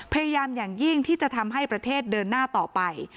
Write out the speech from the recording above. พยายามอย่างยิ่งที่จะทำให้ประเทศเดินหน้าต่อไป